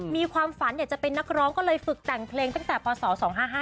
มีความฝันอยากจะเป็นนักร้องก็เลยฝึกแต่งเพลงตั้งแต่พศ๒๕๕